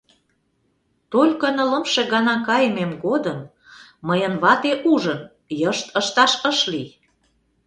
Только нылымше гана кайымем годым мыйын вате ужын — йышт ышташ ыш лий.